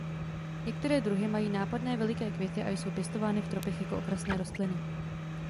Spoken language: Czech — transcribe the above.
Některé druhy mají nápadné veliké květy a jsou pěstovány v tropech jako okrasné rostliny.